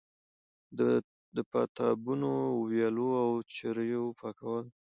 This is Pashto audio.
د پاتابونو، ويالو او چريو پاکول